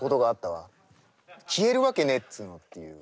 消えるわけねえっつうのっていう。